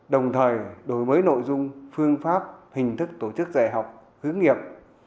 đồng thời đổi mới nội dung phương pháp hình thức tổ chức dạy học hướng nghiệp